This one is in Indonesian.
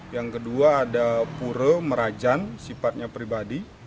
yang kedua ada pura merajan sifatnya pribadi